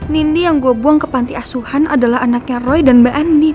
nini yang gue buang ke panti asuhan adalah anaknya roy dan mbak eni